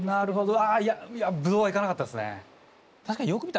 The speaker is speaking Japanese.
ああいやぶどうはいかなかったですね。